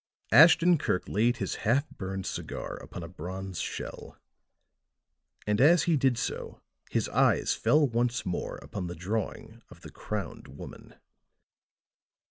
Ashton Kirk laid his half burned cigar upon a bronze shell; and as he did so his eyes fell once more upon the drawing of the crowned woman.